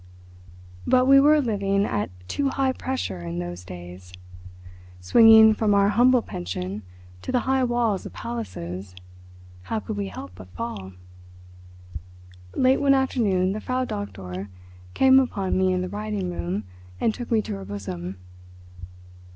But we were living at too high pressure in those days. Swinging from our humble pension to the high walls of palaces, how could we help but fall? Late one afternoon the Frau Doktor came upon me in the writing room and took me to her bosom.